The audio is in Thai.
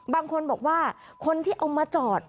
บางคนบอกว่าคนที่เอามาจอด